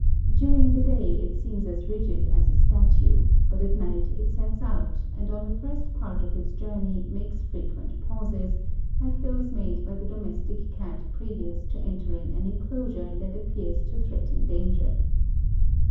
During the day it seems as rigid as a statue, but at night it sets out, and on the first part of its journey makes frequent pauses, like those made by the domestic cat previous to entering an enclosure that appears to threaten danger.